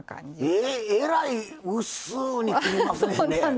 えらい薄うに切りますね。